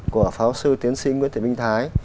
của pháo sư tiến sĩ nguyễn thị minh thái